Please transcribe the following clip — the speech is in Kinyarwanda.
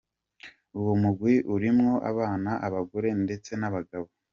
Uwo mugwi urimwo abana, abagore ndetse n'abagabo.